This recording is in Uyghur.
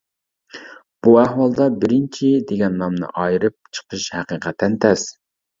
بۇ ئەھۋالدا «بىرىنچى» دېگەن نامنى ئايرىپ چىقىش ھەقىقەتەن تەس.